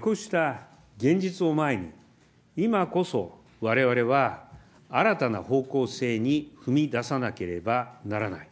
こうした現実を前に、今こそわれわれは、新たな方向性に踏み出さなければならない。